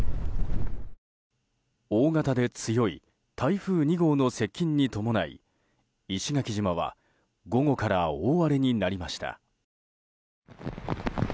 大型で強い台風２号の接近に伴い石垣島は午後から大荒れになりました。